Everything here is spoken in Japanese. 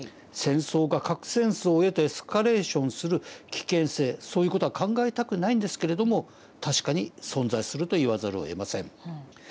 戦争が核戦争へとエスカレーションする危険性そういう事は考えたくないんですけれども確かに存在すると言わざるをえません。